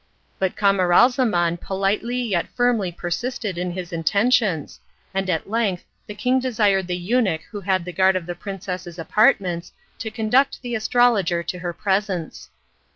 But Camaralzaman politely yet firmly persisted in his intentions, and at length the king desired the eunuch who had the guard of the princess's apartments to conduct the astrologer to her presence.